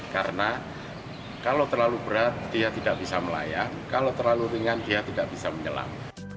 karena kalau terlalu berat dia tidak bisa melayang kalau terlalu ringan dia tidak bisa menyelam